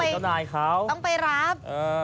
โอ้โหต้องไปรับ